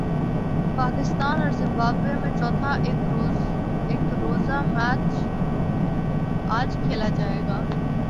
پاکستان اور زمبابوے میں چوتھا ایک روزہ میچ اج کھیلا جائے گا